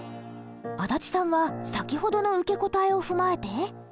足立さんは先ほどの受け答えを踏まえて。